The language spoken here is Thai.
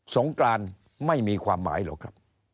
งกรานไม่มีความหมายหรอกครับ